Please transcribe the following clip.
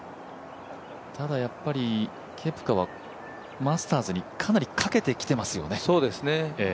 ただやっぱりケプカはマスターズにかなりかけてきていますよね。